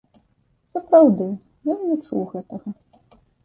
Сапраўды, ён не чуў гэтага.